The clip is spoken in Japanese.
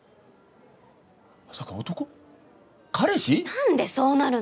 なんでそうなるの。